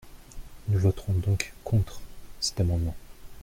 Nous voterons donc contre cet amendement.